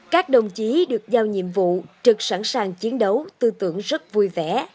các đồng chí được giao nhiệm vụ trực sẵn sàng chiến đấu tư tưởng rất vui vẻ